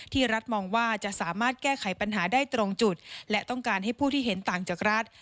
รัฐมองว่าจะสามารถแก้ไขปัญหาได้ตรงจุดและต้องการให้ผู้ที่เห็นต่างจากรัฐ